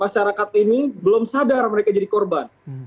masyarakat ini belum sadar mereka jadi korban